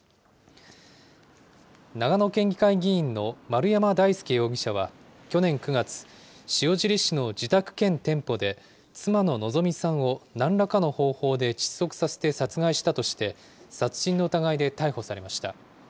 長野県議会議員の丸山大輔容疑者は去年９月、塩尻市の自宅兼店舗で、妻の希美さんをなんらかの方法で窒息させて殺害したとして、殺人の疑いで逮捕されました。